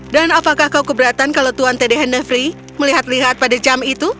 dan apakah kau keberatan kalau tuan teddy hendefree melihat lihat pada jam itu